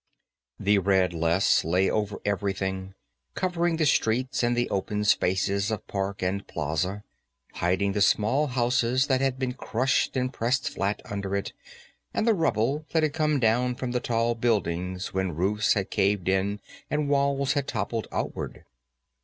The red loess lay over everything, covering the streets and the open spaces of park and plaza, hiding the small houses that had been crushed and pressed flat under it and the rubble that had come down from the tall buildings when roofs had caved in and walls had toppled outward.